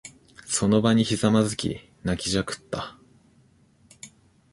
その場にひざまずき、泣きじゃくった。